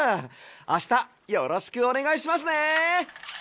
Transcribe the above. あしたよろしくおねがいしますね。